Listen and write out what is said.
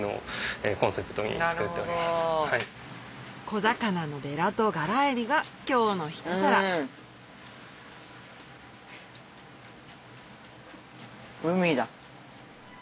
小魚のベラとガラエビが今日のひと皿海だ。